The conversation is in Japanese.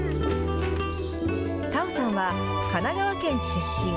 薫生さんは神奈川県出身。